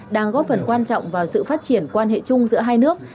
đang góp phần quan trọng vào sự phát triển quan hệ chung giữa hai nước